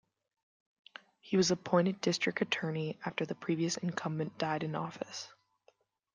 He was appointed District Attorney after the previous incumbent died in office.